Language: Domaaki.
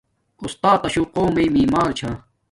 استاتشو قومیے معمار چھا